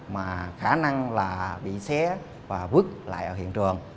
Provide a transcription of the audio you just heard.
mà khả năng là bị xé và vứt lại ở hiện trường